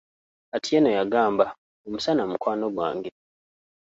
Atieno yagamba, Omusana mukwano gwange.